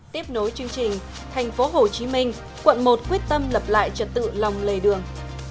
tiếp nối chương trình thành phố hồ chí minh quận một quyết tâm lập lại trật tự lòng lề đường